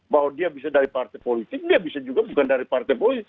bahwa dia bisa dari partai politik dia bisa juga bukan dari partai politik